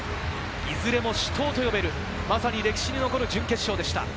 いずれも死闘と呼べる、まさに歴史に残る準決勝でした。